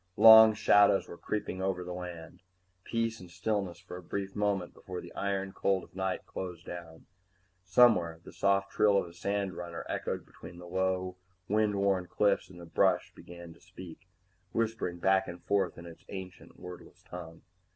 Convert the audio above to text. Long shadows were creeping over the land, peace and stillness for a brief moment before the iron cold of night closed down. Somewhere the soft trill of a sandrunner echoed between low wind worn cliffs, and the brush began to speak, whispering back and forth in its ancient wordless tongue.